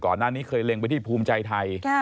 ก่อนหน้านี้เคยเล็งไปที่ภูมิใจไทย